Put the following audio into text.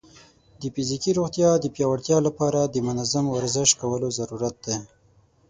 د فزیکي روغتیا د پیاوړتیا لپاره د منظم ورزش کولو ضرورت دی.